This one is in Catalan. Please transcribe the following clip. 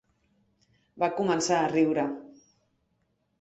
Va començar a riure.